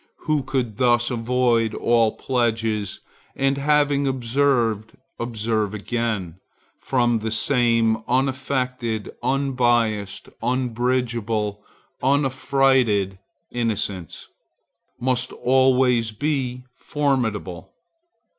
Who can thus avoid all pledges and, having observed, observe again from the same unaffected, unbiased, unbribable, unaffrighted innocence,—must always be formidable.